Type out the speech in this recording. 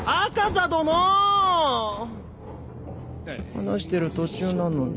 話してる途中なのに。